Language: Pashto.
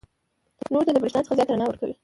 نورو ته د برېښنا څخه زیاته رڼا ورکوي.